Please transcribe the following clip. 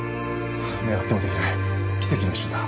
狙っても出来ない奇跡の一瞬だ。